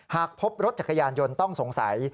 หากพบรถจักรยานยนต์ต้องสงสัย